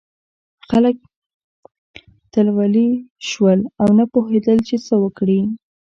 خلک تلولي شول او نه پوهېدل چې څه وکړي.